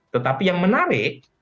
tetapi yang menarik